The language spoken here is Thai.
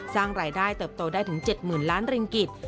สร้างรายได้เติบโตได้ถึง๗๐๐ล้านริงกิจ